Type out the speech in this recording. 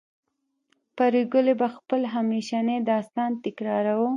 پريګلې به خپل همیشنی داستان تکراروه